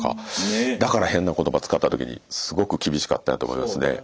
だから変な言葉使った時にすごく厳しかったんやと思いますね。